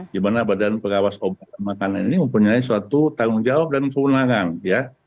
di mana badan pengawas obat makanan ini mempunyai suatu tanggung jawab dan keunangan ya